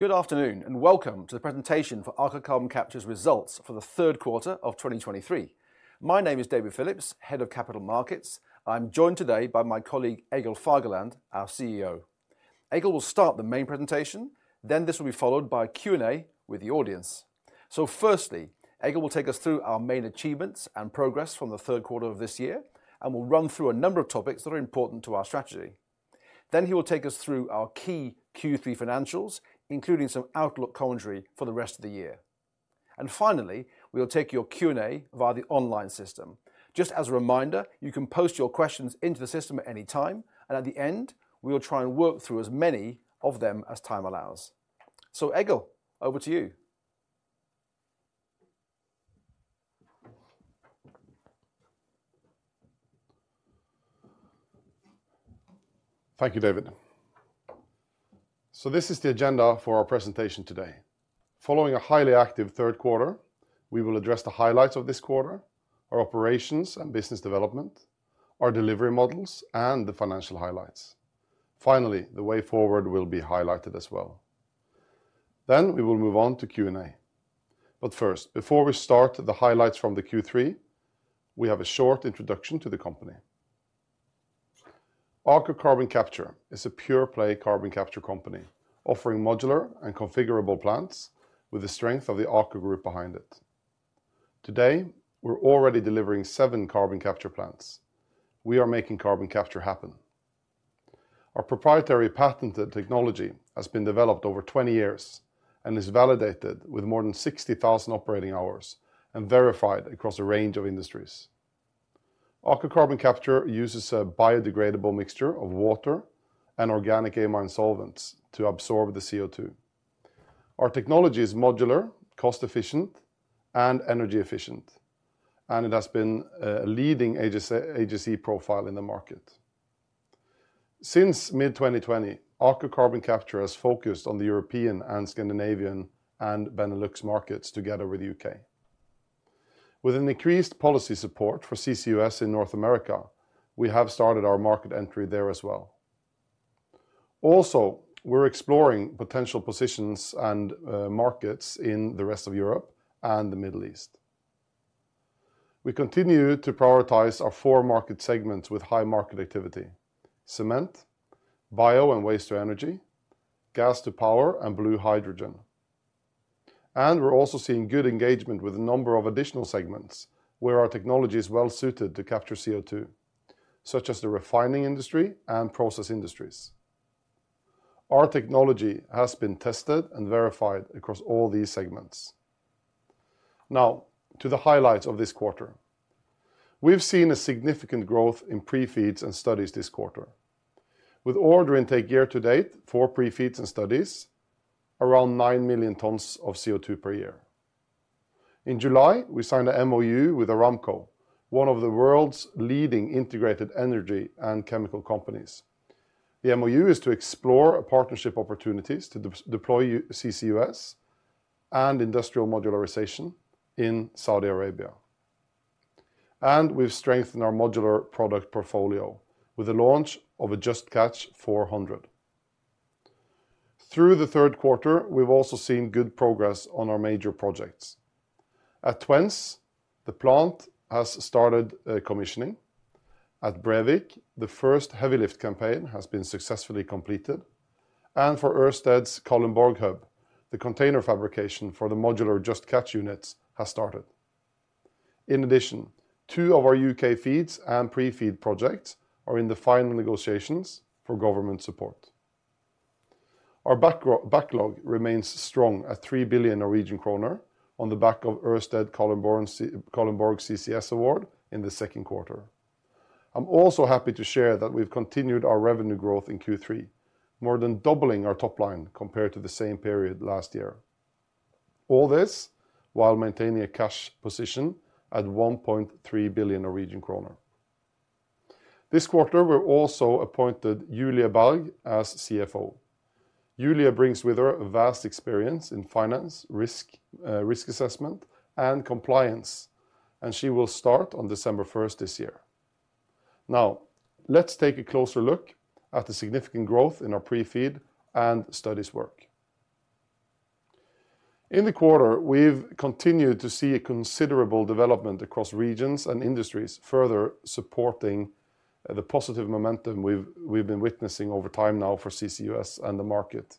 Good afternoon, and welcome to the presentation for Aker Carbon Capture's results for the third quarter of 2023. My name is David Phillips, Head of Capital Markets. I'm joined today by my colleague, Egil Fagerland, our CEO. Egil will start the main presentation, then this will be followed by a Q&A with the audience. Firstly, Egil will take us through our main achievements and progress from the third quarter of this year, and we'll run through a number of topics that are important to our strategy. Then he will take us through our key Q3 financials, including some outlook commentary for the rest of the year. Finally, we will take your Q&A via the online system. Just as a reminder, you can post your questions into the system at any time, and at the end, we will try and work through as many of them as time allows. Egil, over to you. Thank you, David. This is the agenda for our presentation today. Following a highly active third quarter, we will address the highlights of this quarter, our operations and business development, our delivery models, and the financial highlights. Finally, the way forward will be highlighted as well. We will move on to Q&A. First, before we start the highlights from the Q3, we have a short introduction to the company. Aker Carbon Capture is a pure play carbon capture company, offering modular and configurable plants with the strength of the Aker Group behind it. Today, we're already delivering seven carbon capture plants. We are making carbon capture happen. Our proprietary patented technology has been developed over 20 years and is validated with more than 60,000 operating hours and verified across a range of industries. Aker Carbon Capture uses a biodegradable mixture of water and organic amine solvents to absorb the CO2. Our technology is modular, cost-efficient, and energy efficient, and it has been a leading agency profile in the market. Since mid-2020, Aker Carbon Capture has focused on the European and Scandinavian and Benelux markets, together with U.K. With an increased policy support for CCUS in North America, we have started our market entry there as well. Also, we're exploring potential positions and markets in the rest of Europe and the Middle East. We continue to prioritize our four market segments with high market activity: cement, bio and waste to energy, gas to power, and blue hydrogen. And we're also seeing good engagement with a number of additional segments where our technology is well-suited to capture CO2, such as the refining industry and process industries. Our technology has been tested and verified across all these segments. Now, to the highlights of this quarter. We've seen a significant growth in pre-FEEDs and studies this quarter, with order intake year to date for pre-FEEDs and studies around 9 million tonnes of CO2 per year. In July, we signed an MoU with Aramco, one of the world's leading integrated energy and chemical companies. The MoU is to explore partnership opportunities to de- deploy CCUS and industrial modularization in Saudi Arabia. We've strengthened our modular product portfolio with the launch of a Just Catch 400. Through the third quarter, we've also seen good progress on our major projects. At Twence, the plant has started commissioning. At Brevik, the first heavy lift campaign has been successfully completed, and for Ørsted's Kalundborg Hub, the container fabrication for the modular Just Catch units has started. In addition, two of our UK feeds and pre-feed projects are in the final negotiations for government support. Our backlog remains strong at 3 billion Norwegian kroner on the back of Ørsted Kalundborg CCS award in the second quarter. I'm also happy to share that we've continued our revenue growth in Q3, more than doubling our top line compared to the same period last year. All this while maintaining a cash position at 1.3 billion Norwegian kroner. This quarter, we've also appointed Julie Berg as CFO. Julie brings with her a vast experience in finance, risk assessment, and compliance, and she will start on December 1 this year. Now, let's take a closer look at the significant growth in our pre-feed and studies work. In the quarter, we've continued to see a considerable development across regions and industries, further supporting the positive momentum we've been witnessing over time now for CCUS and the market.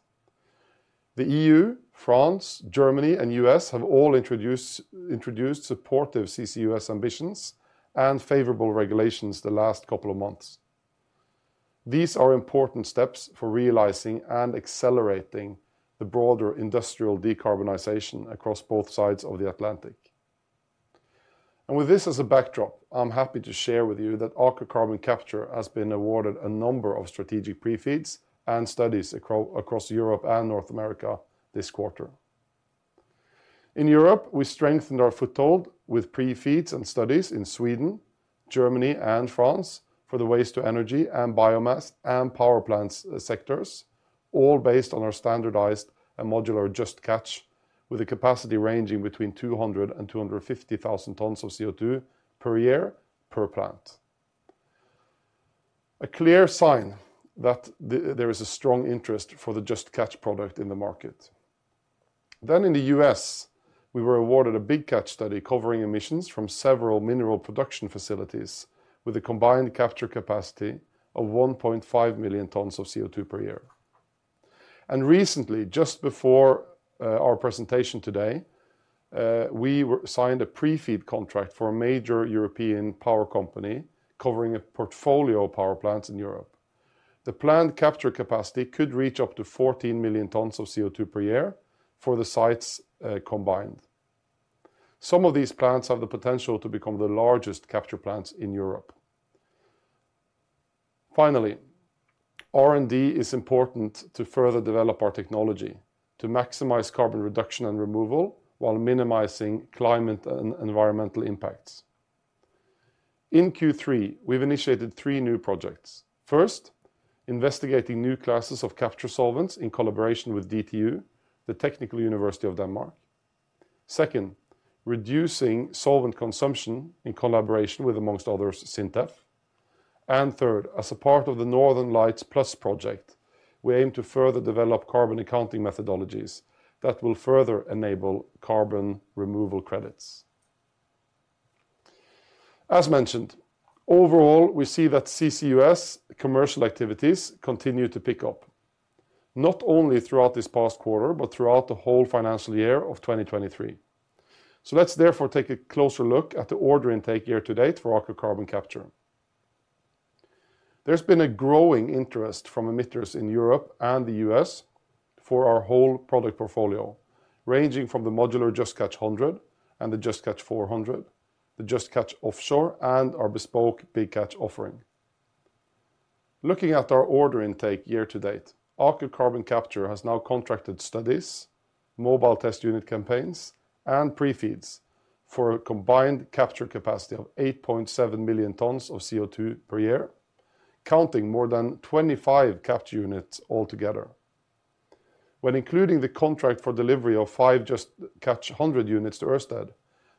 The E.U., France, Germany, and U.S. have all introduced supportive CCUS ambitions and favorable regulations the last couple of months. These are important steps for realizing and accelerating the broader industrial decarbonization across both sides of the Atlantic. With this as a backdrop, I'm happy to share with you that Aker Carbon Capture has been awarded a number of strategic pre-FEEDs and studies across Europe and North America this quarter. In Europe, we strengthened our foothold with pre-FEEDs and studies in Sweden, Germany, and France for the waste to energy and biomass and power plants sectors, all based on our standardized and modular Just Catch, with a capacity ranging between 200- and 250,000 tonnes of CO2 per year per plant. A clear sign that there is a strong interest for the Just Catch product in the market. Then in the US, we were awarded a Big Catch study covering emissions from several mineral production facilities, with a combined capture capacity of 1.5 million tonnes of CO2 per year. And recently, just before our presentation today, we were signed a pre-FEED contract for a major European power company, covering a portfolio of power plants in Europe. The planned capture capacity could reach up to 14 million tonnes of CO2 per year for the sites, combined. Some of these plants have the potential to become the largest capture plants in Europe. Finally, R&D is important to further develop our technology, to maximize carbon reduction and removal, while minimizing climate and environmental impacts. In Q3, we've initiated three new projects. First, investigating new classes of capture solvents in collaboration with DTU, the Technical University of Denmark. Second, reducing solvent consumption in collaboration with, amongst others, SINTEF. And third, as a part of the Northern Lights Plus project, we aim to further develop carbon accounting methodologies that will further enable carbon removal credits. As mentioned, overall, we see that CCUS commercial activities continue to pick up, not only throughout this past quarter, but throughout the whole financial year of 2023. So let's therefore take a closer look at the order intake year to date for Aker Carbon Capture. There's been a growing interest from emitters in Europe and the U.S. for our whole product portfolio, ranging from the modular Just Catch 100 and the Just Catch 400, the Just Catch Offshore, and our bespoke Big Catch offering. Looking at our order intake year to date, Aker Carbon Capture has now contracted studies, Mobile Test Unit campaigns, and Pre-FEEDs for a combined capture capacity of 8.7 million tonnes of CO2 per year, counting more than 25 capture units altogether. When including the contract for delivery of five Just Catch 100 units to Ørsted,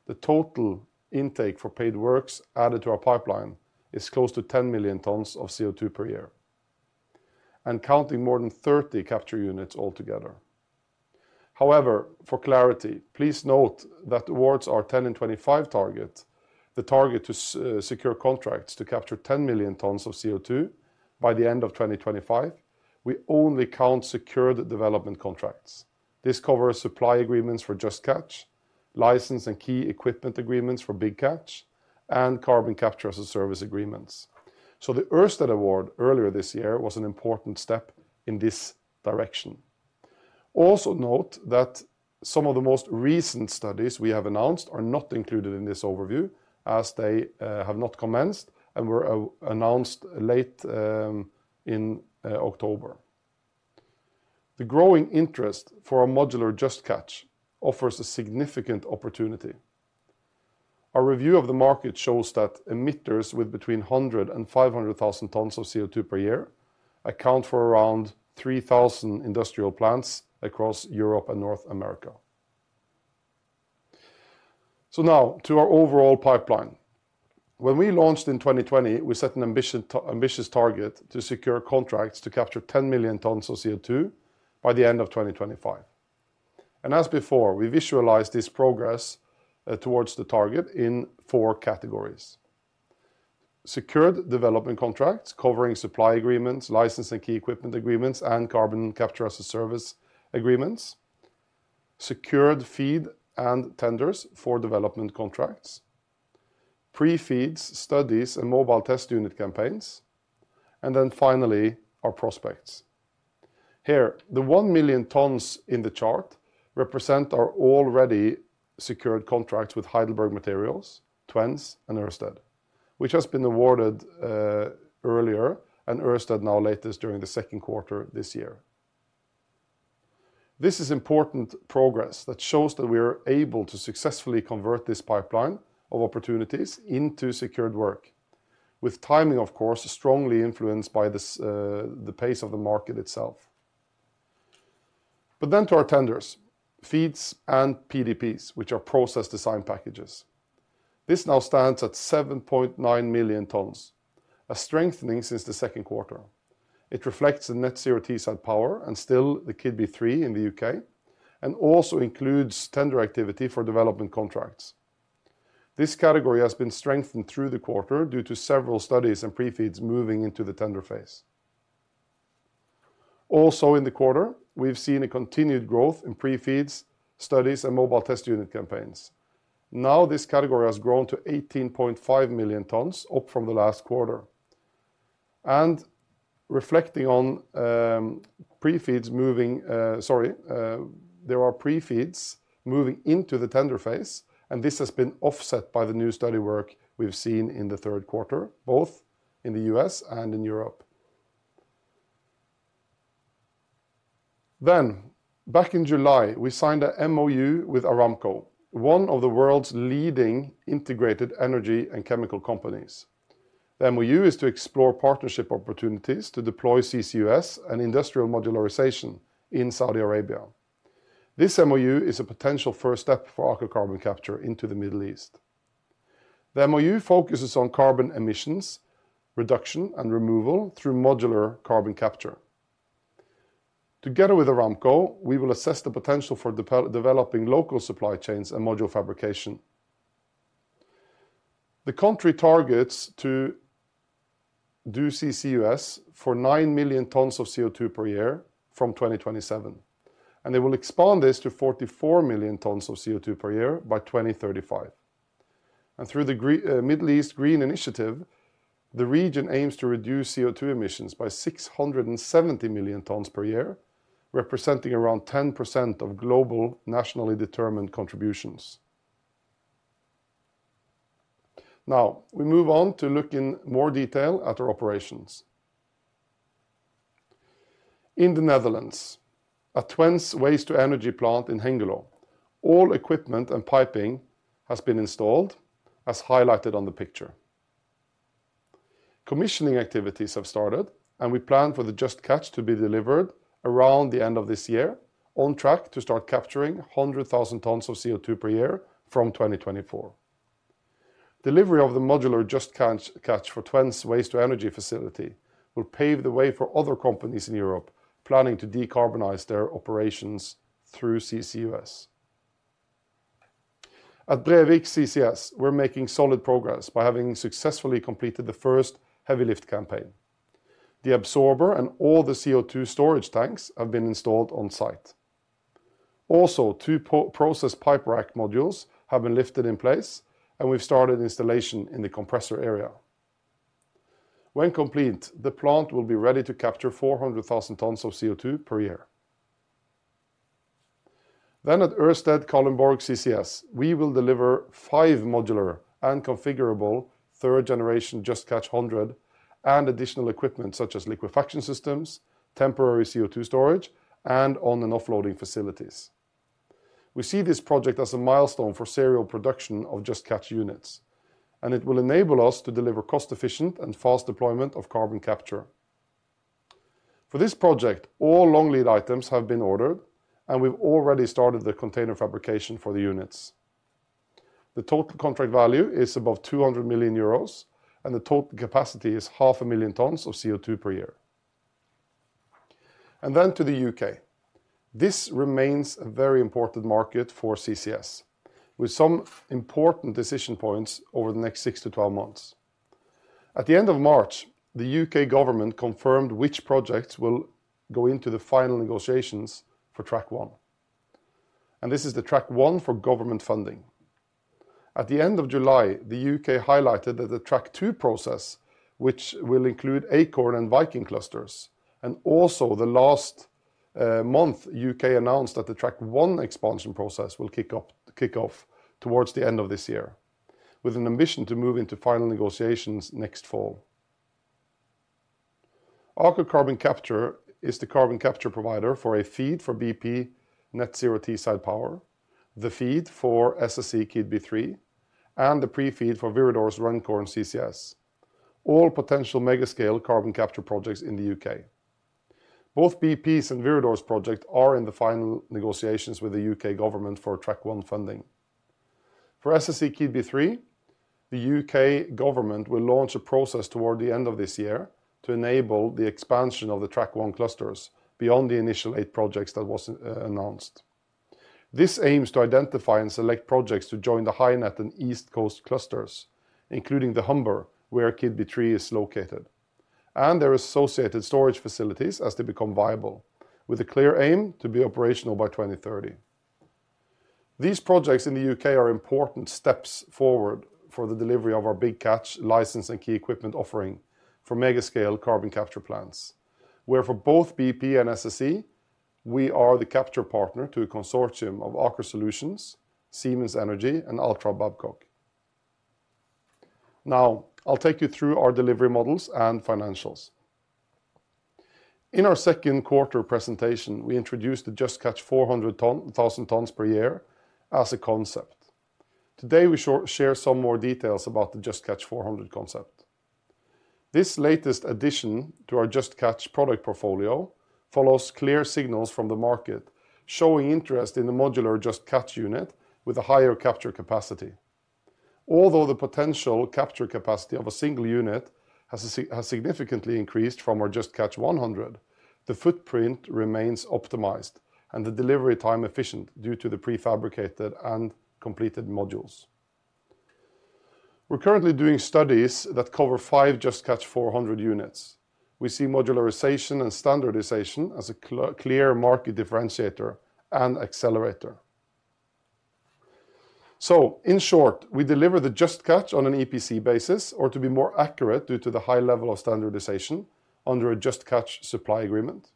the total intake for paid works added to our pipeline is close to 10 million tonnes of CO2 per year, and counting more than 30 capture units altogether. However, for clarity, please note that towards our 10 and 25 target, the target to secure contracts to capture 10 million tonnes of CO2 by the end of 2025, we only count secured development contracts. This covers supply agreements for Just Catch, license and key equipment agreements for Big Catch, and carbon Capture as a Service agreements. So the Ørsted award earlier this year was an important step in this direction. Also note that some of the most recent studies we have announced are not included in this overview, as they have not commenced and were announced late in October. The growing interest for our modular Just Catch offers a significant opportunity. A review of the market shows that emitters with between 100 and 500,000 tonnes of CO2 per year account for around 3,000 industrial plants across Europe and North America. So now, to our overall pipeline. When we launched in 2020, we set an ambitious target to secure contracts to capture 10 million tonnes of CO2 by the end of 2025. And as before, we visualize this progress towards the target in four categories: secured development contracts, covering supply agreements, license and key equipment agreements, and carbon capture as-a-service agreements; secured FEED and tenders for development contracts; pre-FEEDs, studies, and mobile test unit campaigns; and then finally, our prospects. Here, the 1 million tonnes in the chart represent our already secured contracts with Heidelberg Materials, Twence, and Ørsted, which has been awarded earlier, and Ørsted now latest during the second quarter this year. This is important progress that shows that we are able to successfully convert this pipeline of opportunities into secured work, with timing, of course, strongly influenced by this, the pace of the market itself. But then to our tenders, FEEDs and PDPs, which are process design packages. This now stands at 7.9 million tonnes, a strengthening since the second quarter. It reflects the Net Zero Teesside Power, and still the Keadby 3 in the UK, and also includes tender activity for development contracts. This category has been strengthened through the quarter due to several studies and pre-FEEDs moving into the tender phase. Also in the quarter, we've seen a continued growth in pre-FEEDs, studies, and mobile test unit campaigns. Now, this category has grown to 18.5 million tonnes, up from the last quarter. And reflecting on, pre-FEEDs moving... Sorry, there are Pre-FEEDs moving into the tender phase, and this has been offset by the new study work we've seen in the third quarter, both in the U.S. and in Europe. Then, back in July, we signed a MoU with Aramco, one of the world's leading integrated energy and chemical companies. The MoU is to explore partnership opportunities to deploy CCUS and industrial modularization in Saudi Arabia.... This MoU is a potential first step for Aker Carbon Capture into the Middle East. The MoU focuses on carbon emissions, reduction, and removal through modular carbon capture. Together with Aramco, we will assess the potential for developing local supply chains and module fabrication. The country targets to do CCUS for 9 million tonnes of CO2 per year from 2027, and they will expand this to 44 million tonnes of CO2 per year by 2035. Through the Middle East Green Initiative, the region aims to reduce CO2 emissions by 670 million tonnes per year, representing around 10% of global nationally determined contributions. Now, we move on to look in more detail at our operations. In the Netherlands, at Twence's waste-to-energy plant in Hengelo, all equipment and piping has been installed, as highlighted on the picture. Commissioning activities have started, and we plan for the Just Catch to be delivered around the end of this year, on track to start capturing 100,000 tonnes of CO2 per year from 2024. Delivery of the modular Just Catch, Catch for Twence's waste-to-energy facility will pave the way for other companies in Europe planning to decarbonize their operations through CCUS. At Brevik CCS, we're making solid progress by having successfully completed the first heavy lift campaign. The absorber and all the CO2 storage tanks have been installed on site. Also, two process pipe rack modules have been lifted in place, and we've started installation in the compressor area. When complete, the plant will be ready to capture 400,000 tonnes of CO2 per year. Then at Ørsted Kalundborg CCS, we will deliver five modular and configurable third-generation Just Catch 100 and additional equipment such as liquefaction systems, temporary CO2 storage, and on- and off-loading facilities. We see this project as a milestone for serial production of Just Catch units, and it will enable us to deliver cost-efficient and fast deployment of carbon capture. For this project, all long-lead items have been ordered, and we've already started the container fabrication for the units. The total contract value is above 200 million euros, and the total capacity is 500,000 tonnes of CO2 per year. To the U.K. This remains a very important market for CCS, with some important decision points over the next 6-12 months. At the end of March, the U.K. government confirmed which projects will go into the final negotiations for Track One, and this is the Track One for government funding. At the end of July, the U.K. highlighted that the Track Two process, which will include Acorn and Viking clusters, and also last month, the U.K. announced that the Track One expansion process will kick off towards the end of this year, with an ambition to move into final negotiations next fall. Aker Carbon Capture is the carbon capture provider for a FEED for bp Net Zero Teesside Power, the FEED for SSE Keadby 3, and the pre-FEED for Viridor's Runcorn CCS, all potential mega-scale carbon capture projects in the U.K. Both bp's and Viridor's project are in the final negotiations with the U.K. government for Track One funding. For SSE Keadby 3, the U.K. government will launch a process toward the end of this year to enable the expansion of the Track One clusters beyond the initial eight projects that was announced. This aims to identify and select projects to join the HyNet and East Coast clusters, including the Humber, where Keadby 3 is located, and their associated storage facilities as they become viable, with a clear aim to be operational by 2030. These projects in the U.K. are important steps forward for the delivery of our Big Catch license and key equipment offering for mega-scale carbon capture plants, where for both bp and SSE, we are the capture partner to a consortium of Aker Solutions, Siemens Energy, and Doosan Babcock. Now, I'll take you through our delivery models and financials. In our second quarter presentation, we introduced the Just Catch 400 thousand tonnes per year as a concept. Today, we share some more details about the Just Catch 400 concept. This latest addition to our Just Catch product portfolio follows clear signals from the market, showing interest in the modular Just Catch unit with a higher capture capacity. Although the potential capture capacity of a single unit has significantly increased from our Just Catch 100, the footprint remains optimized and the delivery time efficient due to the prefabricated and completed modules. We're currently doing studies that cover five Just Catch 400 units. We see modularization and standardization as a clear market differentiator and accelerator. So in short, we deliver the Just Catch on an EPC basis, or to be more accurate, due to the high level of standardization under a Just Catch supply agreement,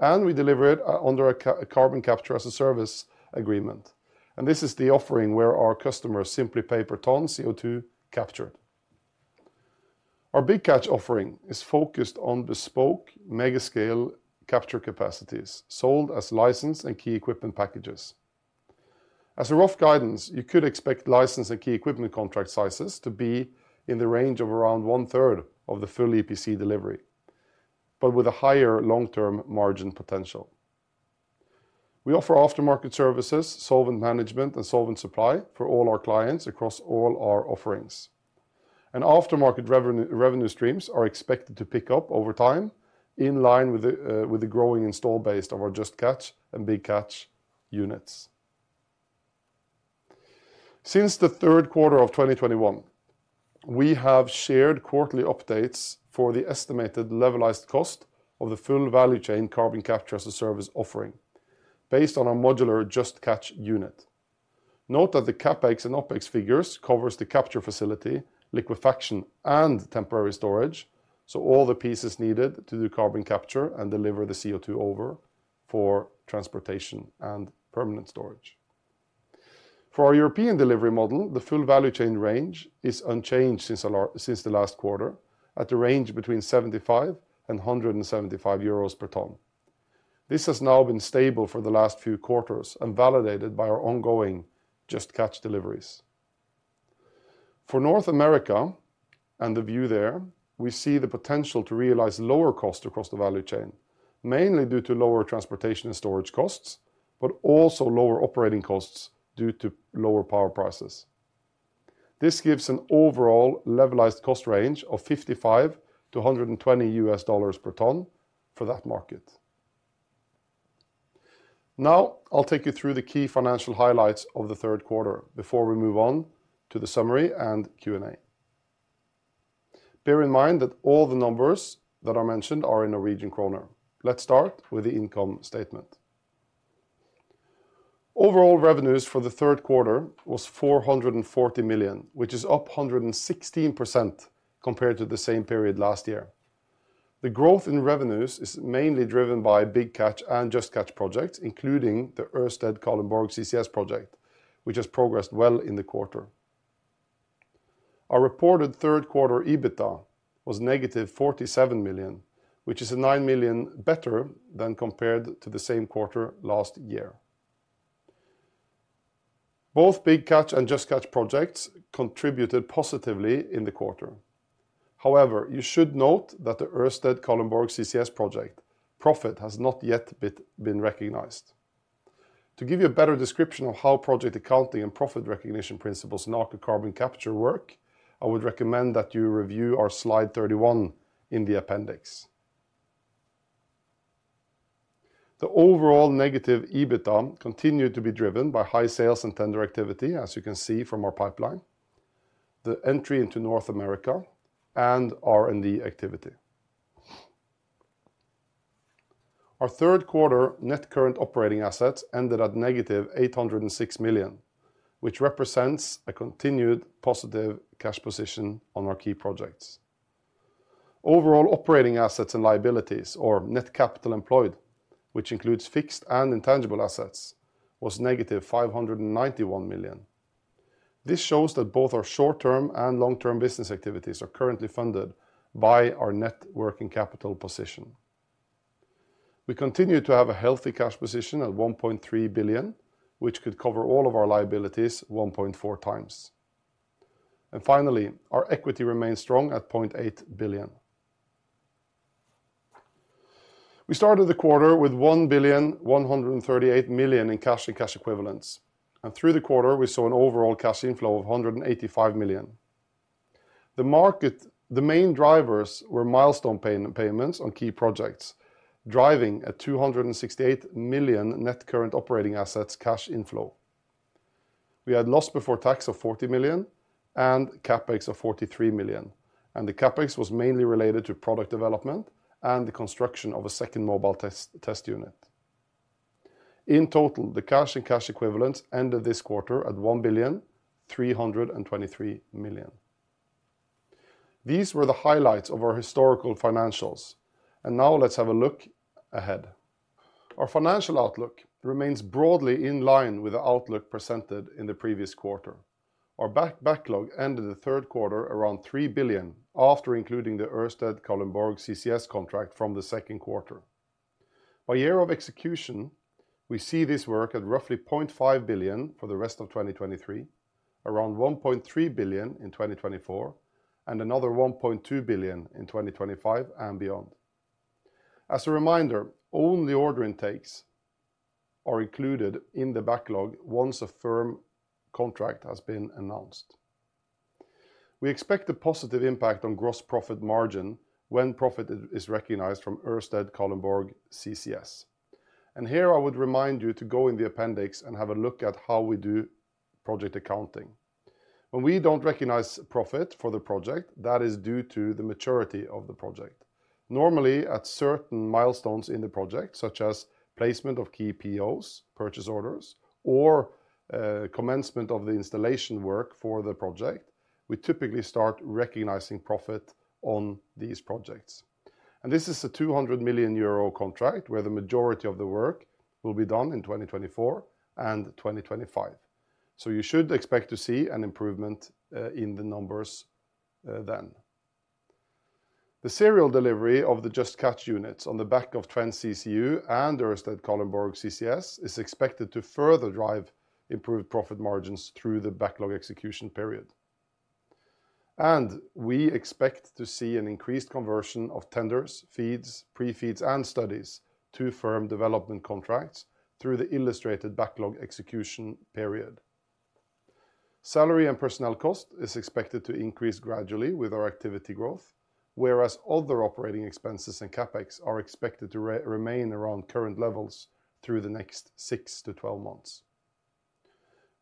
and we deliver it under a Carbon Capture as a Service agreement. And this is the offering where our customers simply pay per ton CO2 captured. Our Big Catch offering is focused on bespoke mega-scale capture capacities, sold as license and key equipment packages. As a rough guidance, you could expect license and key equipment contract sizes to be in the range of around one third of the full EPC delivery, but with a higher long-term margin potential. We offer aftermarket services, solvent management, and solvent supply for all our clients across all our offerings. Aftermarket revenue, revenue streams are expected to pick up over time, in line with the with the growing install base of our Just Catch and Big Catch units. Since the third quarter of 2021, we have shared quarterly updates for the estimated levelized cost of the full value chain carbon capture as a service offering, based on our modular Just Catch unit. Note that the CapEx and OpEx figures covers the capture facility, liquefaction, and temporary storage, so all the pieces needed to do carbon capture and deliver the CO2 over for transportation and permanent storage. For our European delivery model, the full value chain range is unchanged since the last quarter, at a range between 75 and 175 euros per ton. This has now been stable for the last few quarters and validated by our ongoing Just Catch deliveries. For North America and the view there, we see the potential to realize lower cost across the value chain, mainly due to lower transportation and storage costs, but also lower operating costs due to lower power prices. This gives an overall levelized cost range of $55-$120 per ton for that market. Now, I'll take you through the key financial highlights of the third quarter before we move on to the summary and Q&A. Bear in mind that all the numbers that are mentioned are in Norwegian kroner. Let's start with the income statement. Overall revenues for the third quarter was 440 million, which is up 116% compared to the same period last year. The growth in revenues is mainly driven by Big Catch and Just Catch projects, including the Ørsted Kalundborg CCS project, which has progressed well in the quarter. Our reported third quarter EBITDA was -47 million, which is 9 million better than compared to the same quarter last year. Both Big Catch and Just Catch projects contributed positively in the quarter. However, you should note that the Ørsted Kalundborg CCS project profit has not yet been recognized. To give you a better description of how project accounting and profit recognition principles in our carbon capture work, I would recommend that you review our slide 31 in the appendix. The overall negative EBITDA continued to be driven by high sales and tender activity, as you can see from our pipeline, the entry into North America, and R&D activity. Our third quarter net current operating assets ended at -806 million, which represents a continued positive cash position on our key projects. Overall operating assets and liabilities, or net capital employed, which includes fixed and intangible assets, was -591 million. This shows that both our short-term and long-term business activities are currently funded by our net working capital position. We continue to have a healthy cash position at 1.3 billion, which could cover all of our liabilities 1.4x. Finally, our equity remains strong at 0.8 billion. We started the quarter with 1,138 million in cash and cash equivalents, and through the quarter, we saw an overall cash inflow of 185 million. The main drivers were milestone payments on key projects, driving a 268 million net current operating assets cash inflow. We had loss before tax of 40 million and CapEx of 43 million, and the CapEx was mainly related to product development and the construction of a second mobile test unit. In total, the cash and cash equivalents ended this quarter at 1,323 million. These were the highlights of our historical financials, and now let's have a look ahead. Our financial outlook remains broadly in line with the outlook presented in the previous quarter. Our backlog ended the third quarter around 3 billion after including the Ørsted Kalundborg CCS contract from the second quarter. By year of execution, we see this work at roughly 0.5 billion for the rest of 2023, around 1.3 billion in 2024, and another 1.2 billion in 2025 and beyond. As a reminder, only order intakes are included in the backlog once a firm contract has been announced. We expect a positive impact on gross profit margin when profit is recognized from Ørsted Kalundborg CCS. And here I would remind you to go in the appendix and have a look at how we do project accounting. When we don't recognize profit for the project, that is due to the maturity of the project. Normally, at certain milestones in the project, such as placement of key POs, purchase orders, or commencement of the installation work for the project, we typically start recognizing profit on these projects. This is a 200 million euro contract, where the majority of the work will be done in 2024 and 2025. You should expect to see an improvement in the numbers, then. The serial delivery of the Just Catch units on the back of Twence CCU and Ørsted Kalundborg CCS is expected to further drive improved profit margins through the backlog execution period. We expect to see an increased conversion of tenders, feeds, pre-FEEDs, and studies to firm development contracts through the illustrated backlog execution period. Salary and personnel cost is expected to increase gradually with our activity growth, whereas other operating expenses and CapEx are expected to remain around current levels through the next 6-12 months.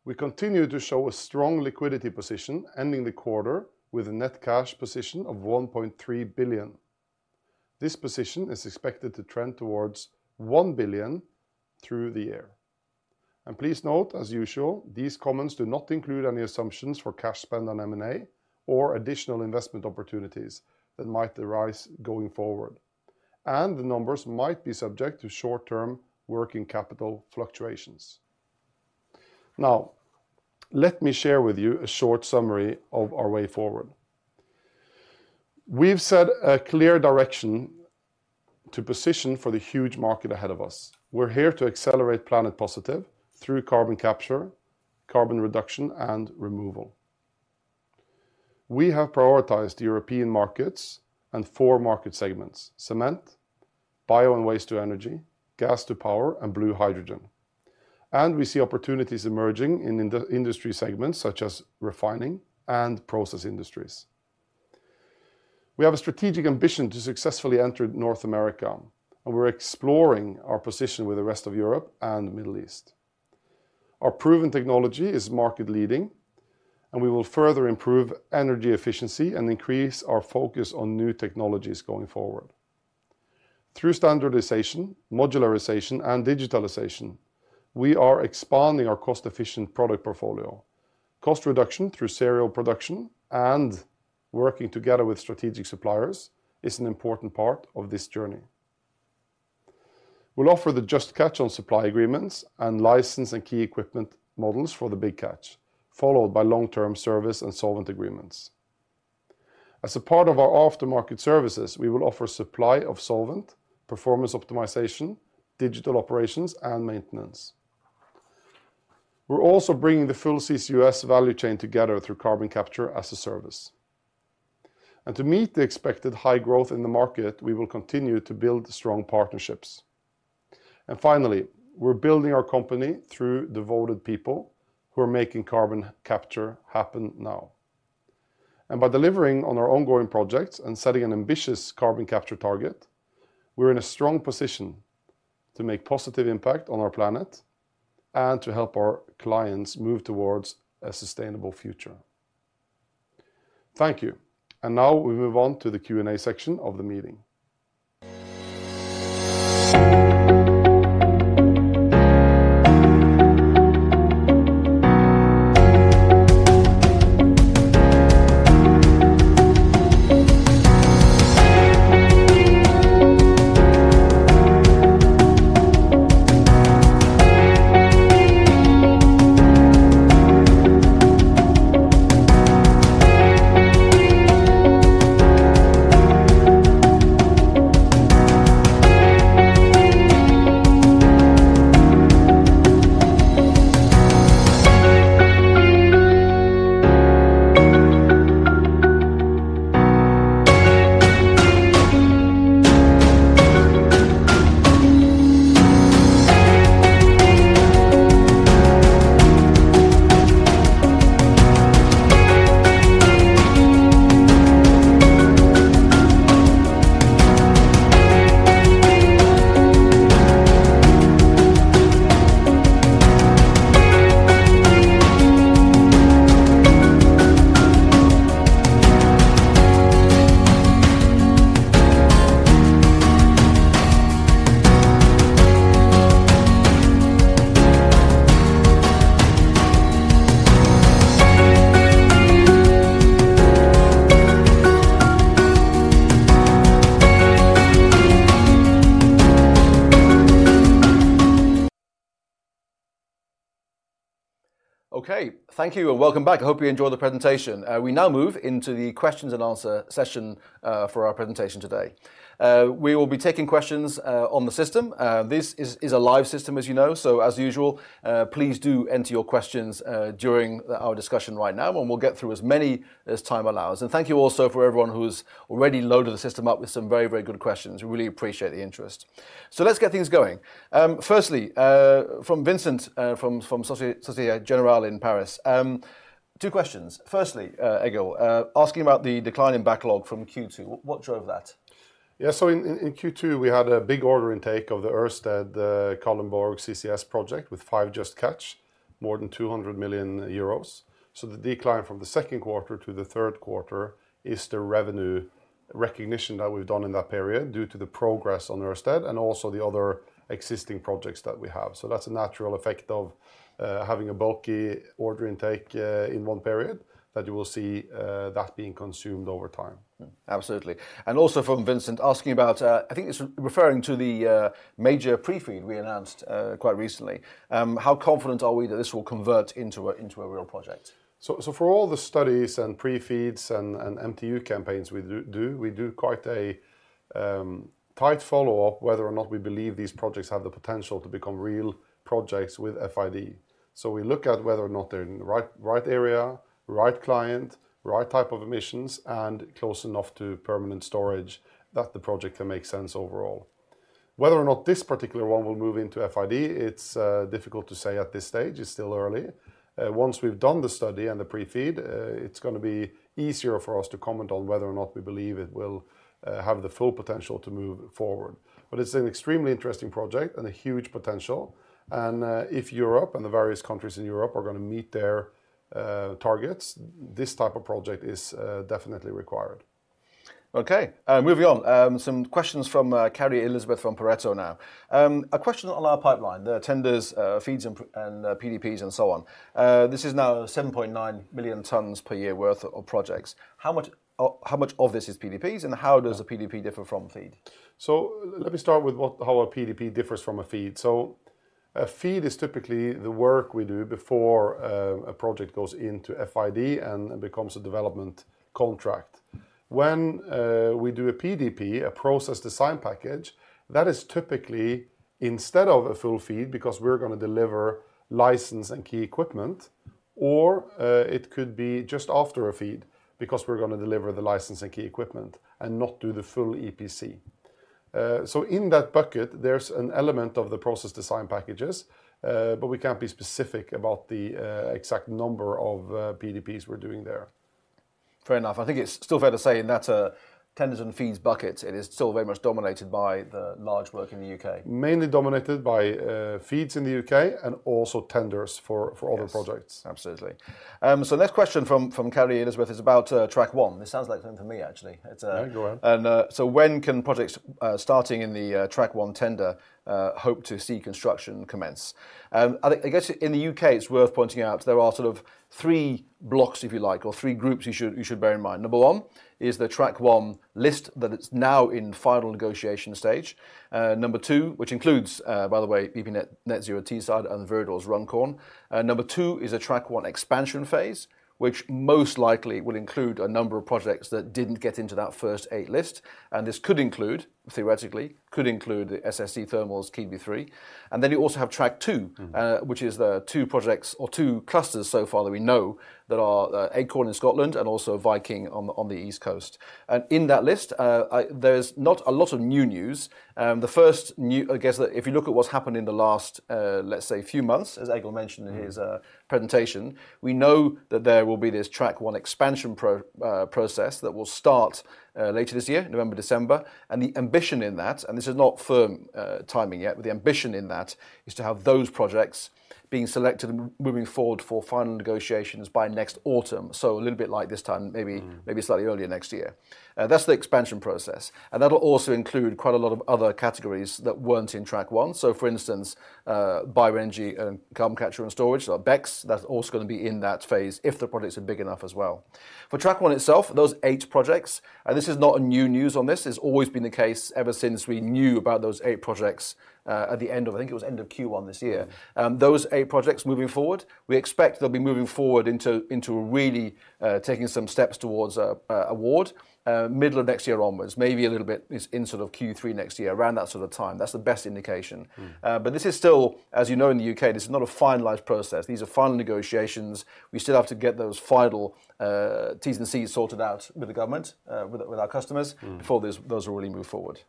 We continue to show a strong liquidity position, ending the quarter with a net cash position of 1.3 billion. This position is expected to trend towards 1 billion through the year. And please note, as usual, these comments do not include any assumptions for cash spend on M&A or additional investment opportunities that might arise going forward, and the numbers might be subject to short-term working capital fluctuations. Now, let me share with you a short summary of our way forward. We've set a clear direction to position for the huge market ahead of us. We're here to accelerate planet positive through carbon capture, carbon reduction, and removal. We have prioritized European markets and four market segments: cement, bio and waste-to-energy, gas-to-power, and blue hydrogen. And we see opportunities emerging in industry segments such as refining and process industries. We have a strategic ambition to successfully enter North America, and we're exploring our position with the rest of Europe and the Middle East. Our proven technology is market leading, and we will further improve energy efficiency and increase our focus on new technologies going forward. Through standardization, modularization, and digitalization, we are expanding our cost-efficient product portfolio. Cost reduction through serial production and working together with strategic suppliers is an important part of this journey. We'll offer the Just Catch on supply agreements and license and key equipment models for the Big Catch, followed by long-term service and solvent agreements. As a part of our aftermarket services, we will offer supply of solvent, performance optimization, digital operations, and maintenance. We're also bringing the full CCUS value chain together through carbon capture as a service. To meet the expected high growth in the market, we will continue to build strong partnerships. Finally, we're building our company through devoted people who are making carbon capture happen now. By delivering on our ongoing projects and setting an ambitious carbon capture target, we're in a strong position to make positive impact on our planet and to help our clients move towards a sustainable future. Thank you. Now we move on to the Q&A section of the meeting. Okay, thank you, and welcome back. I hope you enjoyed the presentation. We now move into the questions and answer session for our presentation today. We will be taking questions on the system. This is a live system, as you know, so as usual, please do enter your questions during our discussion right now, and we'll get through as many as time allows. And thank you also for everyone who's already loaded the system up with some very, very good questions. We really appreciate the interest. So let's get things going. Firstly, from Vincent from Société Générale in Paris. Two questions. Firstly, Egil, asking about the decline in backlog from Q2. What drove that? Yeah, so in Q2, we had a big order intake of the Ørsted Kalundborg CCS project with five Just Catch, more than 200 million euros. So the decline from the second quarter to the third quarter is the revenue recognition that we've done in that period due to the progress on Ørsted and also the other existing projects that we have. So that's a natural effect of having a bulky order intake in one period, that you will see that being consumed over time. Mm-hmm. Absolutely. And also from Vincent, asking about... I think it's referring to the major pre-FEED we announced quite recently. How confident are we that this will convert into a real project? So for all the studies and pre-FEEDs and MTU campaigns we do, we do quite a tight follow-up, whether or not we believe these projects have the potential to become real projects with FID. So we look at whether or not they're in the right area, right client, right type of emissions, and close enough to permanent storage that the project can make sense overall. Whether or not this particular one will move into FID, it's difficult to say at this stage. It's still early. Once we've done the study and the pre-FEED, it's gonna be easier for us to comment on whether or not we believe it will have the full potential to move forward. It's an extremely interesting project and a huge potential, and if Europe and the various countries in Europe are gonna meet their targets, this type of project is definitely required. Okay, moving on. Some questions from Carrie Elizabeth from Pareto now. A question on our pipeline, the tenders, FEEDs, and PDPs, and so on. This is now 7.9 million tonnes per year worth of projects. How much, how much of this is PDPs, and how does a PDP differ from FEED? So let me start with how a PDP differs from a FEED. A FEED is typically the work we do before a project goes into FID and becomes a development contract. When we do a PDP, a process design package, that is typically instead of a full FEED, because we're gonna deliver license and key equipment, or it could be just after a FEED, because we're gonna deliver the license and key equipment and not do the full EPC. So in that bucket, there's an element of the process design packages, but we can't be specific about the exact number of PDPs we're doing there. Fair enough. I think it's still fair to say in that, tenders and FEEDs bucket, it is still very much dominated by the large work in the UK. Mainly dominated by FEEDs in the UK and also tenders for other projects. Yes, absolutely. So next question from Carrie Elizabeth is about Track One. This sounds like something for me, actually. It's Yeah, go on. So when can projects starting in the Track One tender hope to see construction commence? I think, I guess in the UK, it's worth pointing out there are sort of three blocks, if you like, or three groups you should bear in mind. Number one is the Track One list, that it's now in final negotiation stage. Number two, which includes, by the way, even Net Zero Teesside and Viridor's Runcorn. Number two is a Track One expansion phase, which most likely will include a number of projects that didn't get into that first 8 list, and this could include, theoretically, the SSE Thermal's Keadby 3. And then you also have Track Two- Mm.... which is the two projects or two clusters so far that we know that are, Acorn in Scotland and also Viking on the, on the East Coast. In that list, there's not a lot of new news. The first new... I guess if you look at what's happened in the last, let's say few months, as Egil mentioned- Mm... in his presentation, we know that there will be this Track One expansion process that will start later this year, November, December. And the ambition in that, and this is not firm timing yet, but the ambition in that is to have those projects being selected and moving forward for final negotiations by next autumn. So a little bit like this time, maybe- Mm... maybe slightly earlier next year. That's the expansion process, and that'll also include quite a lot of other categories that weren't in Track One. So, for instance, bioenergy and carbon capture and storage, so BECCS, that's also gonna be in that phase if the projects are big enough as well. For Track One itself, those eight projects, and this is not a new news on this, it's always been the case ever since we knew about those eight projects, at the end of, I think it was end of Q1 this year. Yeah. Those eight projects moving forward, we expect they'll be moving forward into really taking some steps towards a award middle of next year onwards. Maybe a little bit this in sort of Q3 next year, around that sort of time. That's the best indication. Mm. But this is still, as you know, in the UK, this is not a finalized process. These are final negotiations. We still have to get those final T's and C's sorted out with the government, with our customers- Mm... before those really move forward.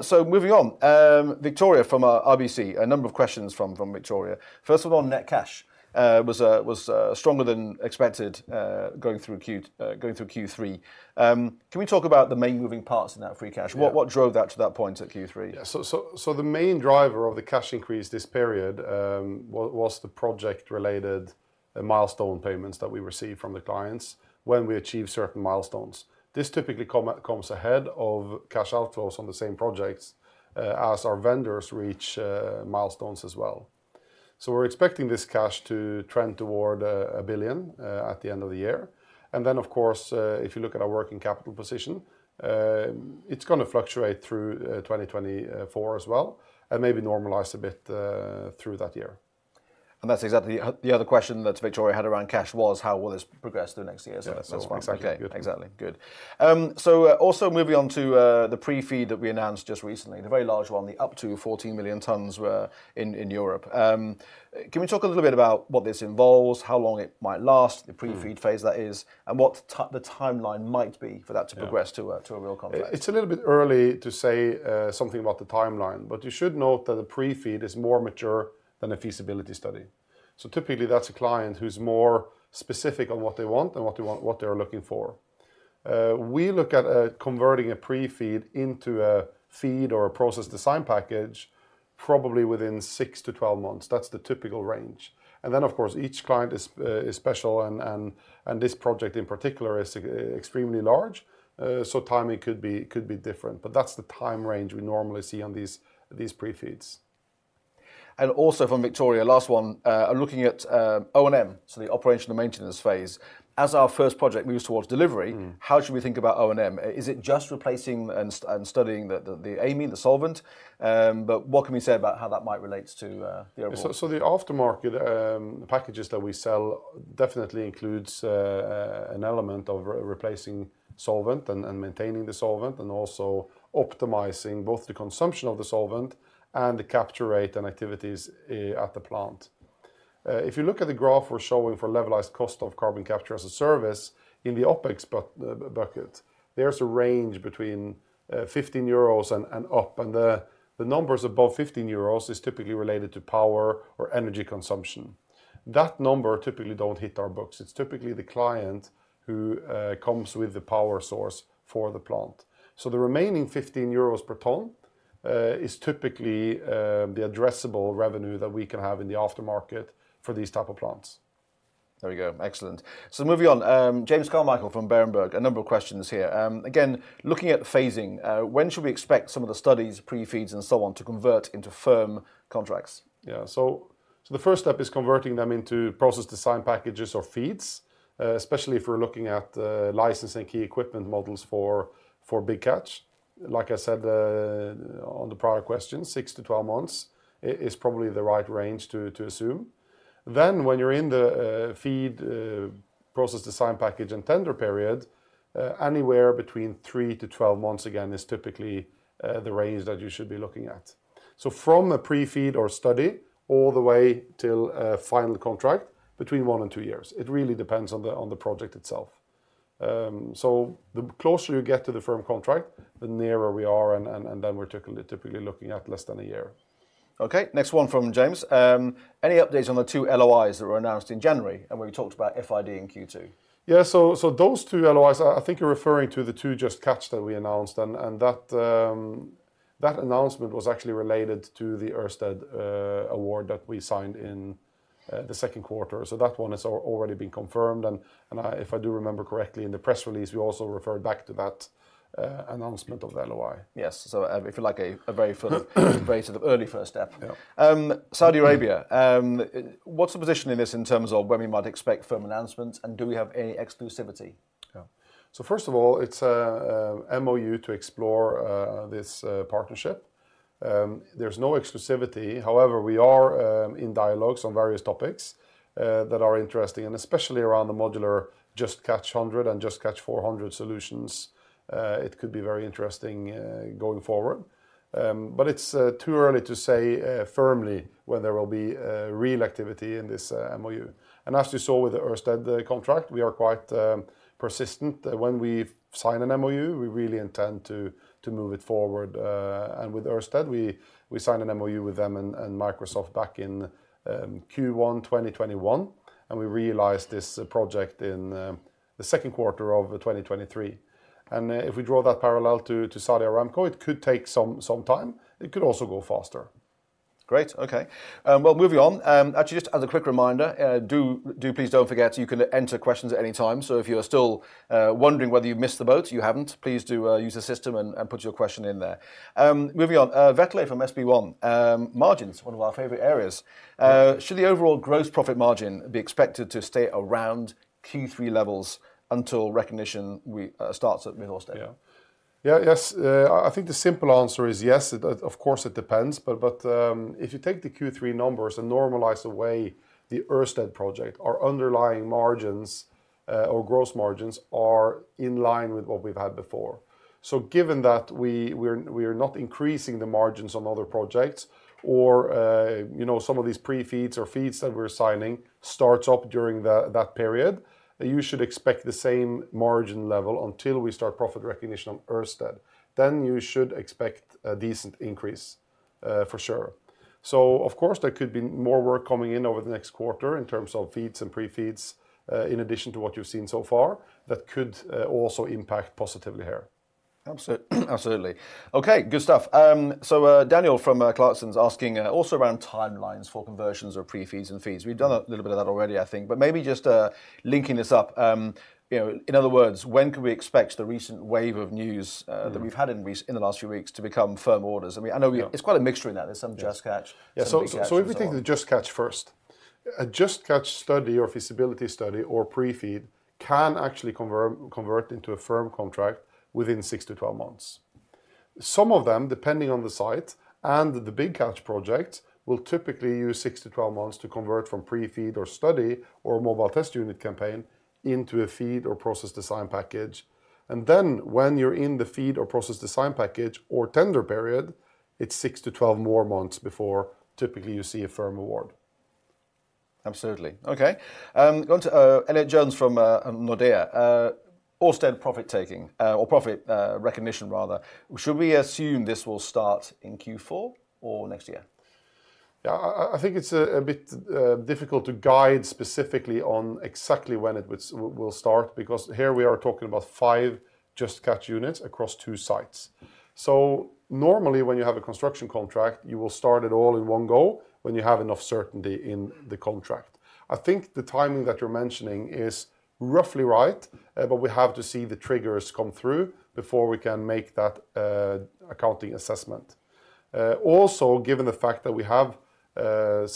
So moving on, Victoria from RBC, a number of questions from Victoria. First of all, net cash was stronger than expected, going through Q3. Can we talk about the main moving parts in that free cash? Yeah. What, what drove that to that point at Q3? Yeah. So the main driver of the cash increase this period was the project-related milestone payments that we received from the clients when we achieved certain milestones. This typically comes ahead of cash outflows on the same projects as our vendors reach milestones as well. So we're expecting this cash to trend toward 1 billion at the end of the year, and then, of course, if you look at our working capital position, it's gonna fluctuate through 2024 as well, and maybe normalize a bit through that year. That's exactly... the other question that Victoria had around cash was, how will this progress through next year? Yeah. That's fine. Exactly. Okay. Exactly. Good. So also moving on to the pre-FEED that we announced just recently, the very large one, the up to 14 million tonnes in Europe. Can we talk a little bit about what this involves, how long it might last? Mm... the pre-FEED phase, that is, and what the timeline might be for that to progress- Yeah... to a real contract? It's a little bit early to say something about the timeline, but you should note that a Pre-FEED is more mature than a feasibility study. So typically, that's a client who's more specific on what they want and what they want- what they are looking for. We look at converting a Pre-FEED into a FEED or a Process Design Package probably within 6-12 months. That's the typical range. And then, of course, each client is special, and this project in particular is extremely large, so timing could be different. But that's the time range we normally see on these Pre-FEEDs. And also from Victoria, last one, "I'm looking at, O&M," so the operational maintenance phase. "As our first project moves towards delivery- Mm. How should we think about O&M? Is it just replacing and studying the amine, the solvent? But what can we say about how that might relate to the overall? So the aftermarket, the packages that we sell definitely includes an element of replacing solvent and maintaining the solvent, and also optimizing both the consumption of the solvent and the capture rate and activities at the plant. If you look at the graph we're showing for levelized cost of Carbon Capture as a Service, in the OpEx bucket, there's a range between 15 euros and up, and the numbers above 15 euros is typically related to power or energy consumption. That number typically don't hit our books. It's typically the client who comes with the power source for the plant. So the remaining 15 euros per ton is typically the addressable revenue that we can have in the aftermarket for these type of plants. There we go. Excellent. So moving on, James Carmichael from Berenberg, a number of questions here. Again, looking at phasing, when should we expect some of the studies, pre-FEEDs, and so on, to convert into firm contracts? Yeah, the first step is converting them into process design packages or FEEDs, especially if we're looking at license and key equipment models for Big Catch. Like I said on the prior question, 6-12 months is probably the right range to assume. When you're in the FEED, process design package and tender period, anywhere between 3-12 months, again, is typically the range that you should be looking at. From a pre-FEED or study all the way till a final contract, between one and two years. It really depends on the project itself. The closer you get to the firm contract, the nearer we are, and then we're typically looking at less than a year. Okay, next one from James. Any updates on the two LOIs that were announced in January, and we talked about FID in Q2? Yeah, so those two LOIs, I think you're referring to the two Just Catch that we announced, and that announcement was actually related to the Ørsted award that we signed in the second quarter. So that one has already been confirmed, and if I do remember correctly, in the press release, we also referred back to that announcement of the LOI. Yes, so, if you like, a very sort of early first step. Yeah. Saudi Arabia, what's the position in this in terms of when we might expect firm announcements, and do we have any exclusivity? Yeah. So first of all, it's a MoU to explore this partnership. There's no exclusivity, however, we are in dialogues on various topics that are interesting, and especially around the modular Just Catch 100 and Just Catch 400 solutions, it could be very interesting going forward. But it's too early to say firmly when there will be real activity in this MoU. And as you saw with the Ørsted contract, we are quite persistent. When we sign an MoU, we really intend to move it forward. And with Ørsted, we signed an MoU with them and Microsoft back in Q1 2021, and we realized this project in the second quarter of 2023. And if we draw that parallel to Saudi Aramco, it could take some time. It could also go faster. Great, okay. Well, moving on, actually, just as a quick reminder, please don't forget, you can enter questions at any time. So if you are still wondering whether you've missed the boat, you haven't. Please do use the system and put your question in there. Moving on, Vetle from SB1, margins, one of our favorite areas. Yeah. Should the overall gross profit margin be expected to stay around Q3 levels until recognition starts at mid Ørsted? Yeah. Yeah, yes, I think the simple answer is yes. It of course depends, but, but, if you take the Q3 numbers and normalize away the Ørsted project, our underlying margins, or gross margins, are in line with what we've had before. So given that we're not increasing the margins on other projects or, you know, some of these pre-FEEDs or feeds that we're signing starts up during that period, you should expect the same margin level until we start profit recognition on Ørsted, then you should expect a decent increase, for sure. So of course, there could be more work coming in over the next quarter in terms of feeds and pre-FEEDs, in addition to what you've seen so far, that could also impact positively here. Absolutely. Absolutely. Okay, good stuff. So, Daniel from Clarksons asking also around timelines for conversions or pre-FEEDs and feeds. We've done a little bit of that already, I think, but maybe just linking this up, you know, in other words, when can we expect the recent wave of news. Mm... that we've had in the last few weeks to become firm orders? I mean, I know we- Yeah... it's quite a mixture in there. Yes. There's some Just Catch- Yeah, so- Some Big Catch and so on.... so if we take the Just Catch first, a Just Catch study or feasibility study or pre-FEED can actually convert into a firm contract within 6-12 months. Some of them, depending on the site, and the Big Catch project, will typically use 6-12 months to convert from pre-FEED or study or mobile test unit campaign into a FEED or process design package, and then when you're in the FEED or process design package or tender period, it's 6-12 more months before typically you see a firm award. Absolutely. Okay, going to Elliot Jones from Nordea. Ørsted profit-taking, or profit recognition, rather, should we assume this will start in Q4 or next year? Yeah, I think it's a bit difficult to guide specifically on exactly when it will start, because here we are talking about five Just Catch units across two sites. So normally, when you have a construction contract, you will start it all in one go, when you have enough certainty in the contract. I think the timing that you're mentioning is roughly right, but we have to see the triggers come through before we can make that accounting assessment. Also, given the fact that we have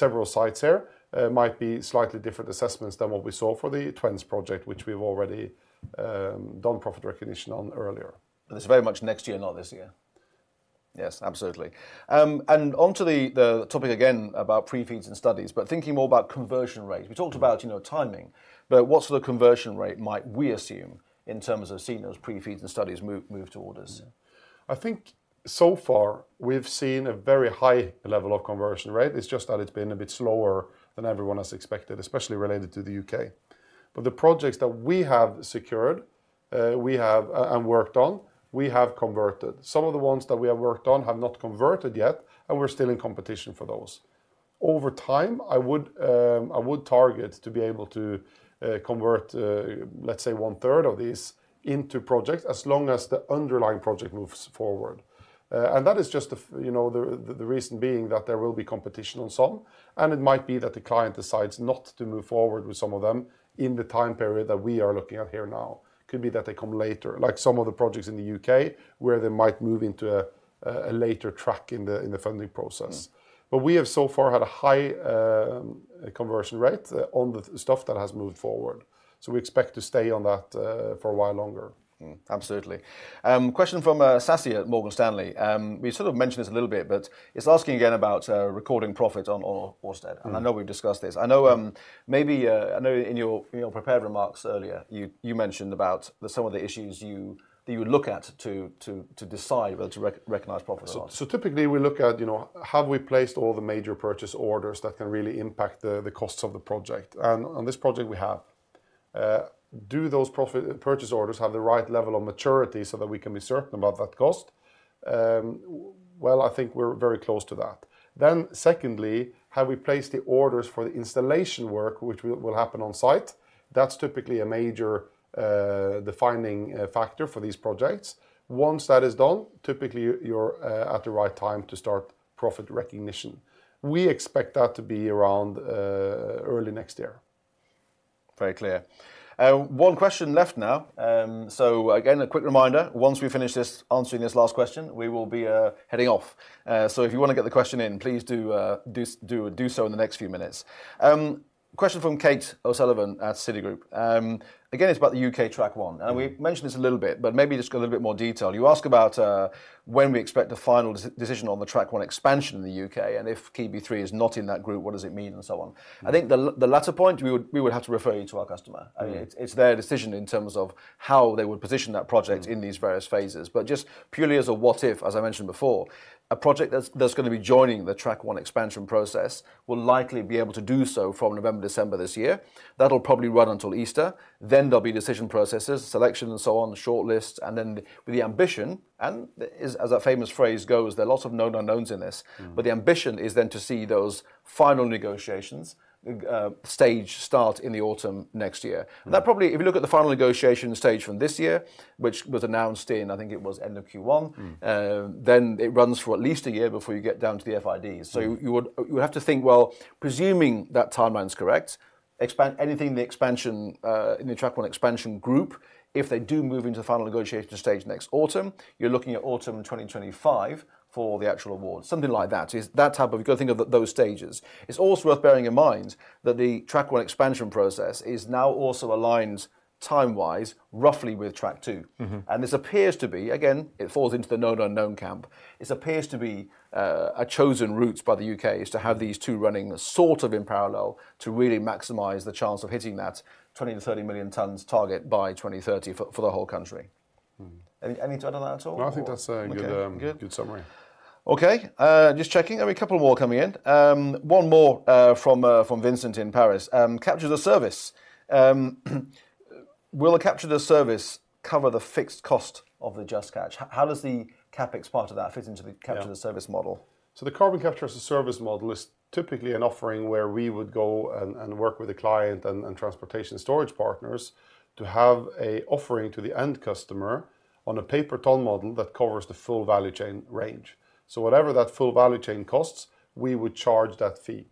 several sites here, might be slightly different assessments than what we saw for the Twence project, which we've already done profit recognition on earlier. It's very much next year, not this year? Yes, absolutely. And onto the topic again about pre-FEEDS and studies, but thinking more about conversion rates. We talked about, you know, timing, but what sort of conversion rate might we assume in terms of seeing those pre-FEEDS and studies move to orders? I think so far we've seen a very high level of conversion rate. It's just that it's been a bit slower than everyone has expected, especially related to the UK. But the projects that we have secured and worked on, we have converted. Some of the ones that we have worked on have not converted yet, and we're still in competition for those. Over time, I would target to be able to convert, let's say, one third of these into projects, as long as the underlying project moves forward. And that is just the, you know, the reason being that there will be competition on some, and it might be that the client decides not to move forward with some of them in the time period that we are looking at here now. Could be that they come later, like some of the projects in the UK, where they might move into a later track in the funding process. Mm. But we have so far had a high conversion rate on the stuff that has moved forward, so we expect to stay on that for a while longer. Absolutely. Question from Sassy at Morgan Stanley. We sort of mentioned this a little bit, but it's asking again about recording profit on Ørsted- Mm. I know we've discussed this. Mm. I know, maybe, I know in your prepared remarks earlier, you mentioned about some of the issues you would look at to decide whether to recognize profit or not. So typically we look at, you know, have we placed all the major purchase orders that can really impact the costs of the project? And on this project, we have. Do those major purchase orders have the right level of maturity so that we can be certain about that cost? Well, I think we're very close to that. Then secondly, have we placed the orders for the installation work, which will happen on site? That's typically a major defining factor for these projects. Once that is done, typically, you're at the right time to start profit recognition. We expect that to be around early next year. Very clear. One question left now. So again, a quick reminder, once we finish this, answering this last question, we will be heading off. So if you want to get the question in, please do so in the next few minutes. Question from Kate O'Sullivan at Citigroup. Again, it's about the UK Track One. Mm. We've mentioned this a little bit, but maybe just go a little bit more detail. You ask about, when we expect a final decision on the Track One expansion in the U.K., and if Keadby 3 is not in that group, what does it mean, and so on. Mm. I think the latter point, we would have to refer you to our customer. Mm. I mean, it's, it's their decision in terms of how they would position that project- Mm... in these various phases. But just purely as a what if, as I mentioned before, a project that's going to be joining the Track One expansion process will likely be able to do so from November, December this year. That'll probably run until Easter. Then there'll be decision processes, selection, and so on, the shortlist, and then the, with the ambition, and as a famous phrase goes, there are lots of known unknowns in this. Mm. But the ambition is then to see those final negotiations stage start in the autumn next year. Mm. If you look at the final negotiation stage from this year, which was announced in, I think it was end of Q1- Mm... then it runs for at least a year before you get down to the FIDs. Mm. So you would, you have to think, well, presuming that timeline is correct, expand anything in the expansion, in the Track One expansion group, if they do move into the final negotiation stage next autumn, you're looking at autumn 2025 for the actual award. Something like that. Is that type of- you got to think of those stages. It's also worth bearing in mind that the Track One expansion process is now also aligned time-wise, roughly with Track Two. Mm-hmm. This appears to be, again, it falls into the known unknown camp. It appears to be, a chosen route by the UK- Mm... is to have these two running sort of in parallel to really maximize the chance of hitting that 20-30 million tonnes target by 2030 for the whole country. Mm. Anything to add on that at all or? No, I think that's a good. Okay. Good... good summary. Okay, just checking. There are a couple more coming in. One more, from Vincent in Paris. Capture as a Service. Will Capture as a Service cover the fixed cost of the Just Catch? How does the CapEx part of that fit into the- Yeah... capture the service model? So the Carbon Capture as a Service model is typically an offering where we would go and work with a client and transportation storage partners to have an offering to the end customer on a pay-per-ton model that covers the full value chain range. So whatever that full value chain costs, we would charge that fee.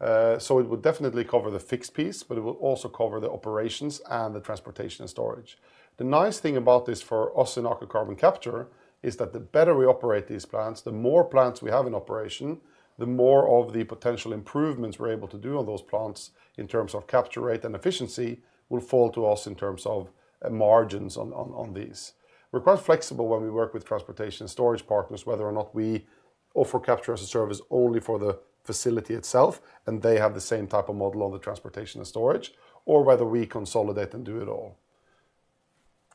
So it would definitely cover the fixed piece, but it will also cover the operations and the transportation and storage. The nice thing about this for us in Aker Carbon Capture is that the better we operate these plants, the more plants we have in operation, the more of the potential improvements we're able to do on those plants in terms of capture rate and efficiency will fall to us in terms of margins on these. We're quite flexible when we work with transportation and storage partners, whether or not we offer capture as a service only for the facility itself, and they have the same type of model on the transportation and storage, or whether we consolidate and do it all.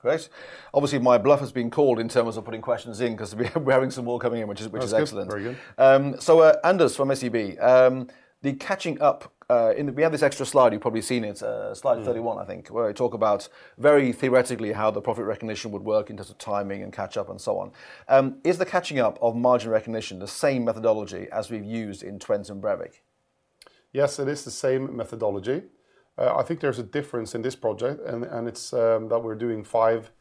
Great. Obviously, my bluff has been called in terms of putting questions in, 'cause we're having some more coming in, which is- Which is good.... which is excellent. Very good. So, Anders from SEB, the catching up in the... We have this extra slide. You've probably seen it, slide 31- Mm... I think, where I talk about very theoretically how the profit recognition would work in terms of timing and catch up and so on. Is the catching up of margin recognition the same methodology as we've used in Twence and Brevik? Yes, it is the same methodology. I think there's a difference in this project, that we're doing five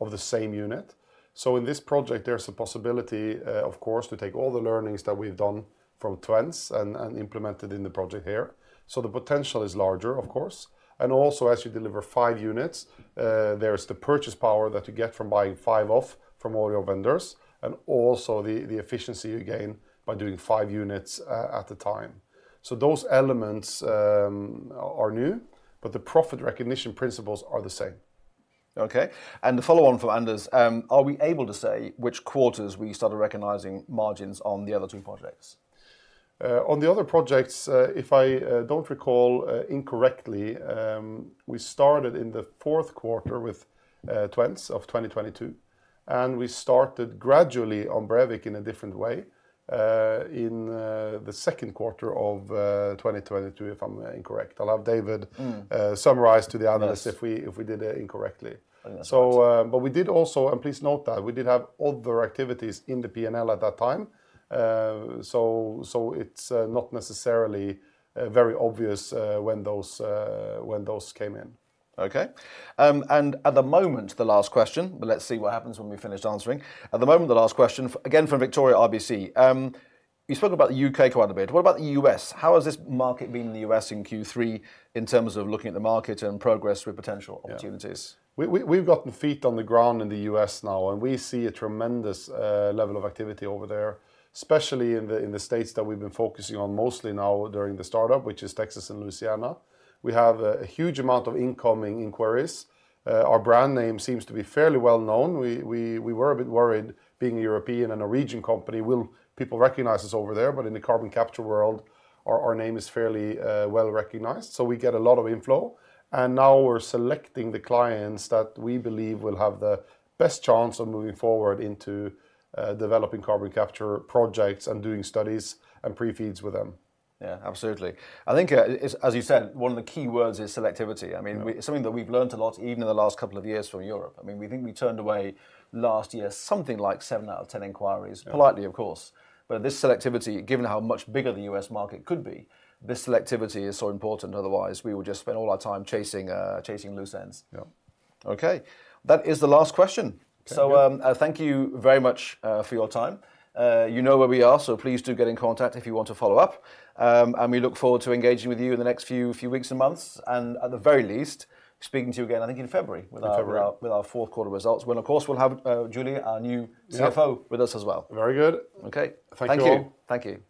of the same unit. So in this project, there's a possibility, of course, to take all the learnings that we've done from Twence and implement it in the project here. So the potential is larger, of course. And also, as you deliver five units, there's the purchase power that you get from buying five off from all your vendors, and also the efficiency you gain by doing five units at a time. So those elements are new, but the profit recognition principles are the same.... Okay, and the follow on from Anders, are we able to say which quarters we started recognizing margins on the other two projects? On the other projects, if I don't recall incorrectly, we started in the fourth quarter with Twence of 2022, and we started gradually on Brevik in a different way, in the second quarter of 2022, if I'm incorrect. I'll have David- Mm. Summarize to the analysts if we- Yes... if we did it incorrectly. Okay. So, but we did also, and please note that we did have other activities in the P&L at that time. So, it's not necessarily very obvious when those came in. Okay. At the moment, the last question, but let's see what happens when we finish answering. At the moment, the last question, again, from Victoria, RBC. You spoke about the U.K. quite a bit. What about the U.S.? How has this market been in the U.S. in Q3, in terms of looking at the market and progress with potential opportunities? Yeah. We've gotten feet on the ground in the U.S. now, and we see a tremendous level of activity over there, especially in the states that we've been focusing on mostly now during the startup, which is Texas and Louisiana. We have a huge amount of incoming inquiries. Our brand name seems to be fairly well known. We were a bit worried, being a European and a regional company, will people recognize us over there? But in the carbon capture world, our name is fairly well recognized, so we get a lot of inflow. And now we're selecting the clients that we believe will have the best chance of moving forward into developing carbon capture projects and doing studies and pre-FEEDs with them. Yeah, absolutely. I think, as you said, one of the key words is selectivity. Mm. I mean, something that we've learned a lot, even in the last couple of years from Europe. I mean, we think we turned away last year, something like seven out of ten inquiries. Yeah. Politely, of course. But this selectivity, given how much bigger the US market could be, this selectivity is so important, otherwise, we would just spend all our time chasing loose ends. Yeah. Okay, that is the last question. Thank you. So, thank you very much for your time. You know where we are, so please do get in contact if you want to follow up. And we look forward to engaging with you in the next few weeks and months, and at the very least, speaking to you again, I think in February- In February... with our fourth quarter results, when, of course, we'll have Julie, our new- Yeah... CFO with us as well. Very good. Okay. Thank you all. Thank you. Thank you.